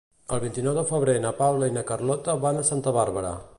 El vint-i-nou de febrer na Paula i na Carlota van a Santa Bàrbara.